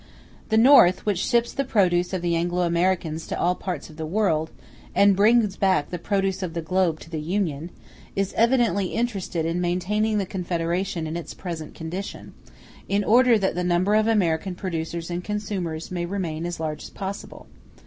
The North, which ships the produce of the Anglo Americans to all parts of the world, and brings back the produce of the globe to the Union, is evidently interested in maintaining the confederation in its present condition, in order that the number of American producers and consumers may remain as large as possible.